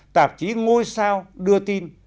tạp chí ngôi sao đưa tin